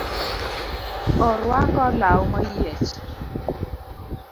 Orwako law moyiech